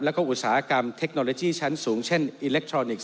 แล้วก็อุตสาหกรรมเทคโนโลยีชั้นสูงเช่นอิเล็กทรอนิกส